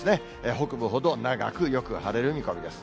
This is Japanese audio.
北部ほど長くよく晴れる見込みです。